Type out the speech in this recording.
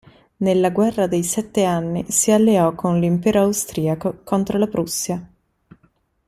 Nella Guerra dei sette anni si alleò con l'Impero austriaco contro la Prussia.